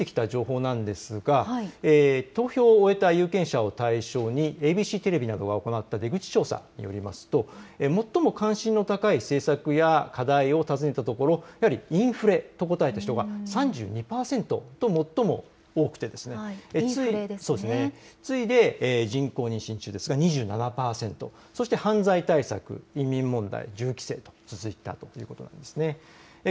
先ほど入ってきた情報なんですが投票を終えた有権者を対象にＡＢＣテレビなどが行った出口調査によりますと最も関心の高い政策や課題を尋ねたところインフレと答えた人が３２％と最も多くて、次いで人工妊娠中絶が２７％、そして犯罪対策、移民問題、銃規制と続いたということなんですね。